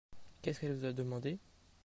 Qu'est-ce qu'elle vous a demandé ?